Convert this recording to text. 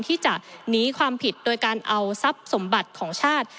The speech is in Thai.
ที่จะหนีความผิดโดยการเอาทรัพย์สมบัติของชาติ